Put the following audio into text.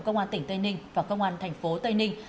công an tỉnh tây ninh và công an tp tây ninh